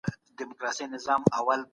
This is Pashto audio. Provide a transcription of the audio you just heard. نيم ساعت تر يو ساعت لږ دئ.